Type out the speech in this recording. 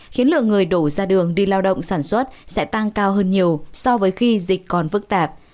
khiến lượng người đổ ra đường đi lao động sản xuất sẽ tăng cao hơn nhiều so với khi dịch còn phức tạp